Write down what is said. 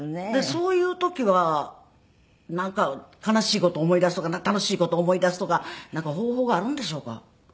そういう時はなんか悲しい事を思い出すとか楽しい事を思い出すとかなんか方法があるんでしょうか？